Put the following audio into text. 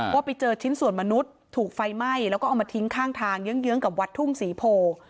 ว่าไปเจอชิ้นส่วนมนุษย์ถูกไฟไหม้แล้วก็เอามาทิ้งข้างทางเยื้องกับวัดทุ่งศรีโพ